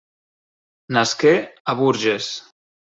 Nasqué a Bourges.